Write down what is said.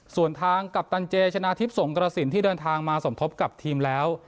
ส่วนทางกัปตันเจชนะทิพย์สงกระสินที่เดินทางมาสมทบกับทีมแล้ว